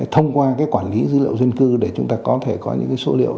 thông qua quản lý dữ liệu dân cư để chúng ta có thể có những số liệu